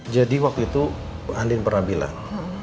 jadi waktu itu andieng pernah bilang